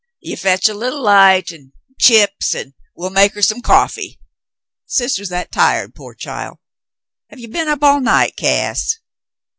You fetch a leetle light ud an* chips, an* we'll make her some coffee. Sister's that tired, pore child ! Have ye been up all night, Cass